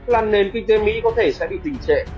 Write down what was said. là nền kinh tế mỹ có thể sẽ bị đình trệ